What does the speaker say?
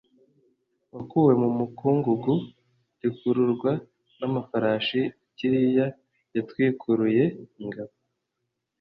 wakuwe mu mukungugu rikururwa n amafarashi Kiria yatwikuruye ingabo